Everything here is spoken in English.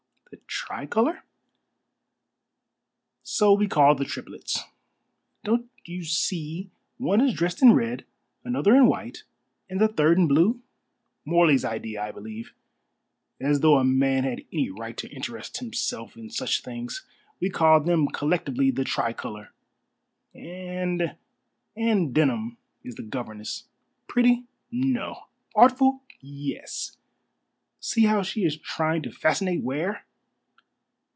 "The Tricolor?" "So we call the triplets. Don't you see one is dressed in red, another in white, and the third in blue? Morley's idea, I believe. As though a man had any right to interest himself in such things. We call them collectively the Tricolor, and Anne Denham is the governess. Pretty? No. Artful? Yes. See how she is trying to fascinate Ware!"